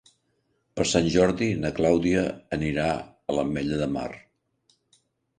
Per Sant Jordi na Clàudia anirà a l'Ametlla de Mar.